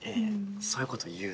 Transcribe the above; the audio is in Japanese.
そういうこと言うなって。